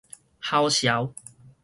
嘐潲